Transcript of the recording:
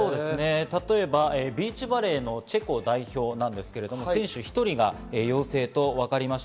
例えばビーチバレーのチェコ代表ですが、選手１人が陽性と分かりました。